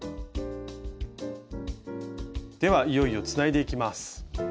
ではいよいよつないでいきます。